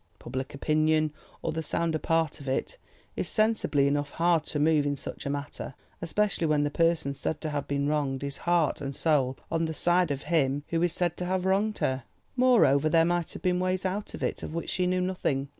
Public opinion, or the sounder part of it, is sensibly enough hard to move in such a matter, especially when the person said to have been wronged is heart and soul on the side of him who is said to have wronged her. Moreover there might have been ways out of it, of which she knew nothing.